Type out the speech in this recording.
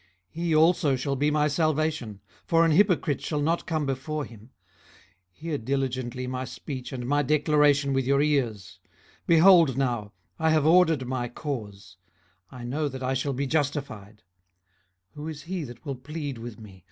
18:013:016 He also shall be my salvation: for an hypocrite shall not come before him. 18:013:017 Hear diligently my speech, and my declaration with your ears. 18:013:018 Behold now, I have ordered my cause; I know that I shall be justified. 18:013:019 Who is he that will plead with me?